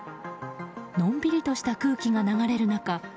のんびりとした空気が流れる中